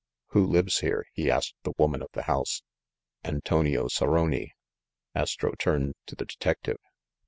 "Who lives here ?" he asked the woman of the house. "Antonio Soroni." Astro turned to the detective.